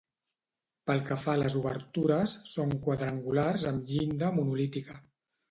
Pel que fa a les obertures, són quadrangulars amb llinda monolítica.